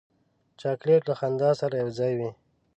چاکلېټ له خندا سره یو ځای وي.